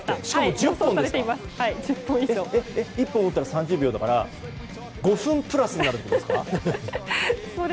１本打ったら３０秒だから５分プラスになるってことですか。